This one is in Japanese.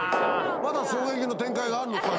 まだ衝撃の展開があるの？